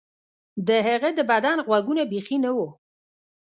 د هغه د بدن غوږونه بیخي نه وو